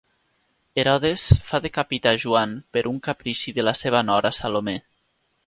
Herodes fa decapitar Joan per un caprici de la seva nora Salomé.